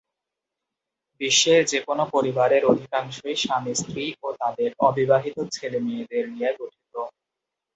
বিশ্বের যেকোন পরিবারের অধিকাংশই স্বামী-স্ত্রী ও তাদের অবিবাহিত ছেলেমেয়েদের নিয়ে গঠিত।